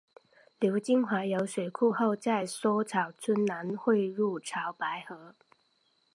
流经怀柔水库后在梭草村南汇入潮白河。